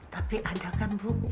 tapi ada kan bu